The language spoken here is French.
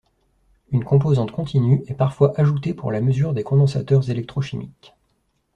Une composante continue est parfois ajoutée pour la mesure des condensateurs électrochimiques.